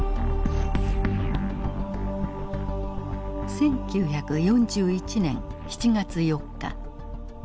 １９４１年７月４日。